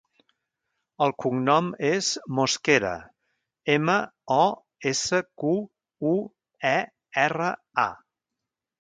El cognom és Mosquera: ema, o, essa, cu, u, e, erra, a.